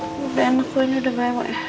udah enak gue ini udah ga emak ya